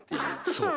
そう！